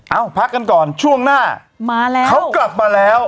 เอ้าพักกันก่อนช่วงหน้ามาแล้วเขากลับมาแล้ว